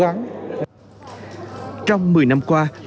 trong một mươi năm qua các bộ môn tập luyện và thi đấu đã được tạo ra